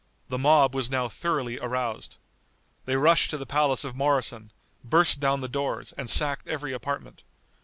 The mob was now thoroughly aroused. They rushed to the palace of Moroson, burst down the doors, and sacked every apartment.